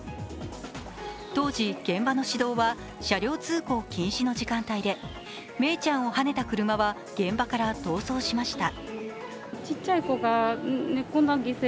当時、現場の市道は車両通行禁止の時間帯で愛李ちゃんをはねた車は現場から逃走しました。